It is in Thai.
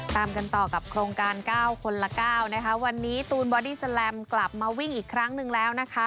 ตามกันต่อกับโครงการ๙คนละ๙นะคะวันนี้ตูนบอดี้แลมกลับมาวิ่งอีกครั้งหนึ่งแล้วนะคะ